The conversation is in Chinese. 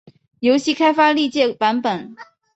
游戏开发历届版本